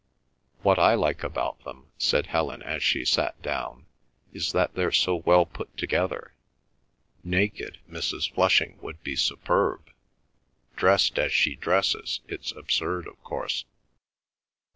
"What I like about them," said Helen as she sat down, "is that they're so well put together. Naked, Mrs. Flushing would be superb. Dressed as she dresses, it's absurd, of course."